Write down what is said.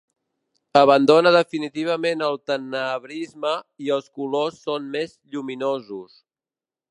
Abandona definitivament el tenebrisme i els colors són més lluminosos.